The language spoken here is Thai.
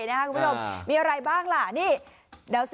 หน้าอะไรฮะ